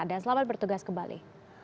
dan selamat bertugas kembali